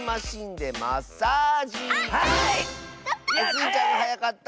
スイちゃんがはやかった。